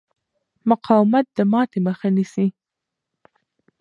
مقاومت د ماتې مخه نیسي.